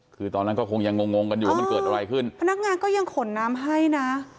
คือตอนนั้นก็คงยังงงงกันอยู่ว่ามันเกิดอะไรขึ้นพนักงานก็ยังขนน้ำให้นะ